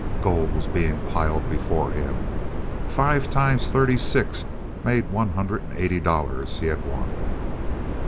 Gold was being piled before him. Five times thirty six made one hundred and eighty dollars he had won!